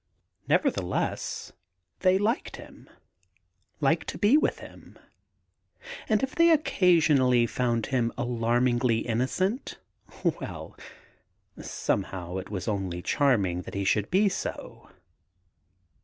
Nevertheless they liked him, liked to be with him, and if they occasionally found him alarmingly innocent — well I somehow, it was only charming that he should be so.